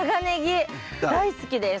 大好きです。